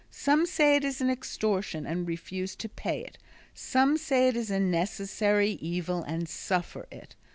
Some say it is an extortion and refuse to pay it. Some say it is a necessary evil and suffer it.